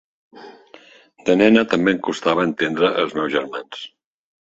De nena també em costava entendre els meus germans.